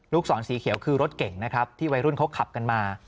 ศรสีเขียวคือรถเก่งนะครับที่วัยรุ่นเขาขับกันมา